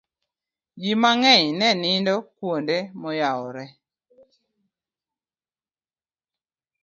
ji mang'eny ne nindo kuonde moyawore